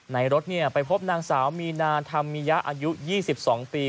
ในรถไปพบนางสาวมีนาธรรมมียะอายุ๒๒ปี